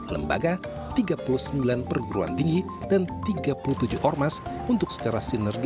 lembaga tiga puluh sembilan perguruan tinggi dan tiga puluh tujuh ormas untuk secara sinergi